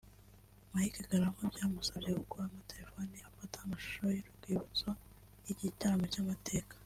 Mike Karangwa byamusabye gukuramo telephone ye afata amashusho y'urwibutso y'iki gitaramo cy'amateka